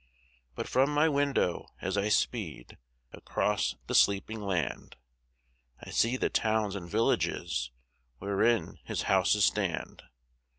But from my window as I speed across the sleeping land I see the towns and villages wherein His houses stand.